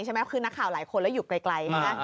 เพราะคือนักข่าวหลายคนแล้วอยู่ไกลนะครับ